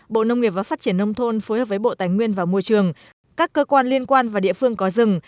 bộ nông nghiệp và phát triển nông thôn phối hợp với bộ tài nguyên và môi trường các cơ quan liên quan và địa phương có rừng